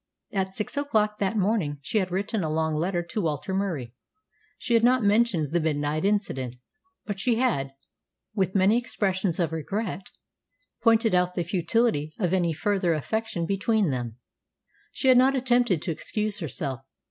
At six o'clock that morning she had written a long letter to Walter Murie. She had not mentioned the midnight incident, but she had, with many expressions of regret, pointed out the futility of any further affection between them. She had not attempted to excuse herself.